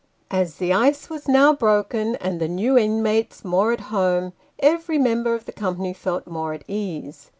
As the ice was now broken, and the new inmates more at home, every member of the company felt more at ease.